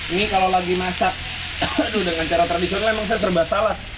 ini kalau lagi masak aduh dengan cara tradisional memang saya terbaksalah